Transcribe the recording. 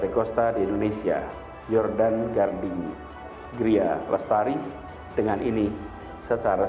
kita merayakan merdeka untuk keadilan